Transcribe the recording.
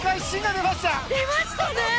出ましたね。